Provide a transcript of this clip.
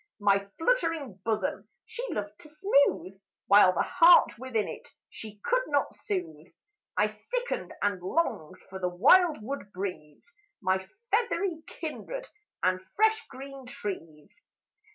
"My fluttering bosom she loved to smooth; While the heart within it, she could not soothe: I sickened and longed for the wildwood breeze, My feathery kindred, and fresh green trees.